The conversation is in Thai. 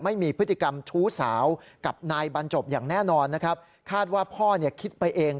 ไม่มีพฤติกรรมชู้สาวกับนายบรรจบอย่างแน่นอนนะครับคาดว่าพ่อเนี่ยคิดไปเอง